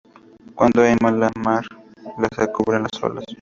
Cuando hay mala mar, las cubren las olas.